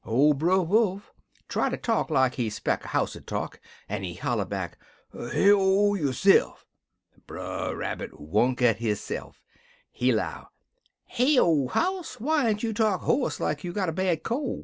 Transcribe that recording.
"Ole Brer Wolf try ter talk like he speck a house 'ud talk, en he holler back, 'Heyo, yo'se'f!' "Brer Rabbit wunk at hisse'f. He 'low, 'Heyo, house! why n't you talk hoarse like you got a bad col'?'